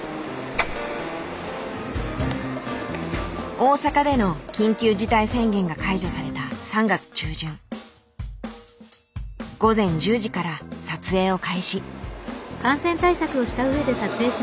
大阪での緊急事態宣言が解除された３月中旬午前１０時から撮影を開始。